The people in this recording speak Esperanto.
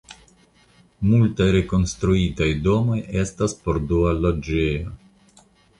Multaj rekonstruitaj domoj estas por dua loĝejo.